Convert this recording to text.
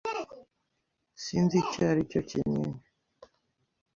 Sinzi icyo aricyo kinini.